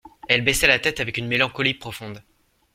Elle baissa la tête avec une mélancolie profonde.